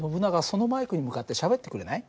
そのマイクに向かってしゃべってくれない？